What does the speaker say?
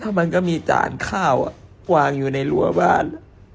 มันก็มีจานข้าววางอยู่ในรัวบ้าน